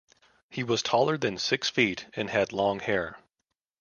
He was taller than six feet and had long hair.